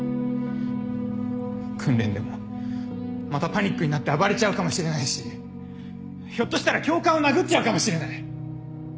訓練でもまたパニックになって暴れちゃうかもしれないしひょっとしたら教官を殴っちゃうかもしれない。